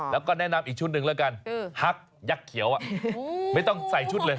แล้วก็แนะนำอีกชุดหนึ่งแล้วกันฮักยักษ์เขียวไม่ต้องใส่ชุดเลย